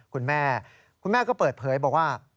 คุณแม่ก็เปิดเผยบอกว่า